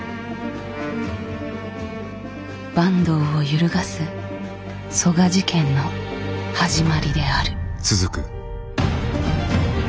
坂東を揺るがす曽我事件の始まりである。